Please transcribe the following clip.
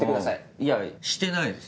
いやしてないです。